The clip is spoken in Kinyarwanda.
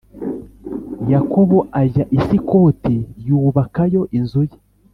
Yakobo ajya i Sukoti yubakayo inzu ye